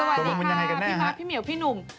สวัสดีค่ะพี่ม้าพี่เหมียวพี่หนุ่ม